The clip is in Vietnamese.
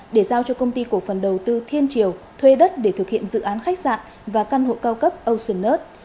để giao cho công ty cổ phần đầu tư thiên triều thuê đất để thực hiện dự án khách sạn và căn hộ cao cấp ocean earth